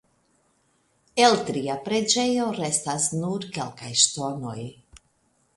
El tria preĝejo restas nur kelkaj ŝtonoj.